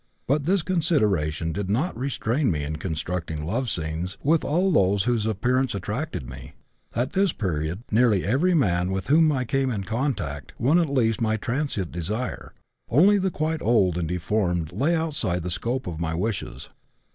But this consideration did not restrain me in constructing love scenes with all those whose appearance attracted me. At this period nearly every man with whom I came in contact won at least my transient desire; only the quite old and deformed lay outside the scope of my wishes.